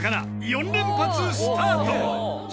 ４連発スタート！